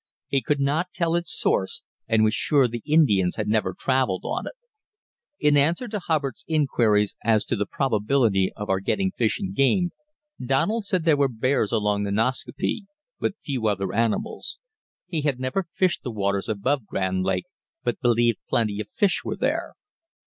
He could not tell its source, and was sure the Indians had never travelled on it. In answer to Hubbard's inquiries as to the probability of our getting fish and game, Donald said there were bears along the Nascaupee, but few other animals. He had never fished the waters above Grand Lake, but believed plenty of fish were there.